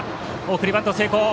送りバント成功。